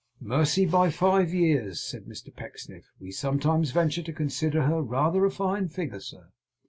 'Mercy, by five years,' said Mr Pecksniff. 'We sometimes venture to consider her rather a fine figure, sir.